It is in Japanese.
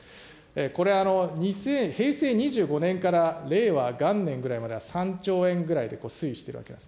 これ、平成２５年から令和元年ぐらいまでは３兆円ぐらいで推移してるわけです。